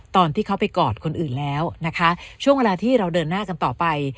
ตอนที่เขาไปกอดคนอื่นแล้วนะคะช่วงเวลาที่เราเดินหน้ากันต่อไป